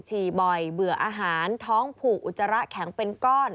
ี่บ่อยเบื่ออาหารท้องผูกอุจจาระแข็งเป็นก้อน